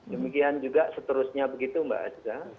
demikian juga seterusnya begitu mbak aza